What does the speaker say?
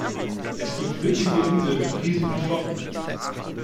Es gibt winzige Inseln mit riesigen Flotten.